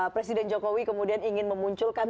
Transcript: presiden jokowi kemudian ingin memunculkan